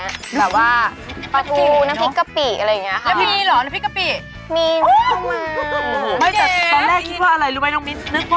แบบว่าปลาทูน้ำพริกกะปิอะไรอย่างนี้ค่ะ